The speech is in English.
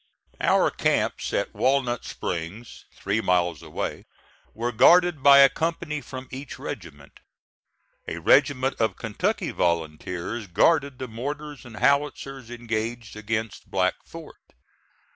Our camps at Walnut Springs, three miles away, were guarded by a company from each regiment. A regiment of Kentucky volunteers guarded the mortars and howitzers engaged against Black Fort.